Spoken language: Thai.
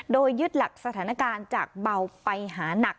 โดยยึดหลักสถานการณ์จากเบาไปหานัก